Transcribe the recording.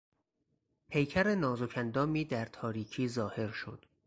پیکر نازک اندامی در تاریکی ظاهر شد.